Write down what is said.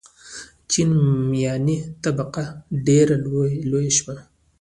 چین میاني طبقه ډېره لویه شوې.